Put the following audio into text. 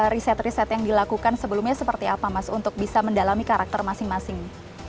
riset riset yang dilakukan sebelumnya seperti apa mas untuk bisa mendalami karakter masing masing